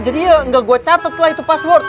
jadi ya gak gue catet lah itu password